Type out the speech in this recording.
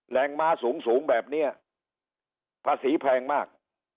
แหลงม้าสูงแบบเนี่ยภาษีแพงมาก